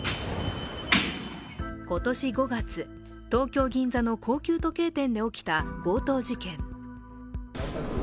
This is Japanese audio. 今年５月、東京・銀座の高級時計店で起きた強盗事件。